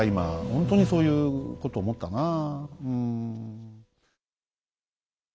ほんとにそういうことを思ったなあ。